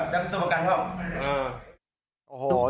จัดตัวประกันหรอ